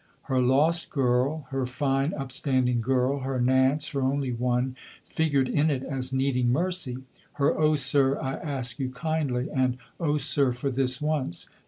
Her lost girl, her fine up standing girl, her Nance, her only one, figured in it as needing mercy. Her "Oh, sir, I ask you kindly!" and "Oh, sir, for this once